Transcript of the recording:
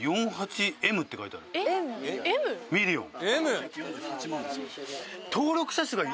ミリオン